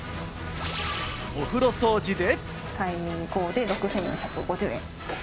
お風呂掃除で。